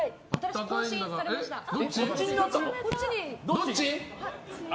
どっち？